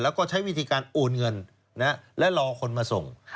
แล้วก็ใช้วิธีการโอนเงินและรอคนมาส่ง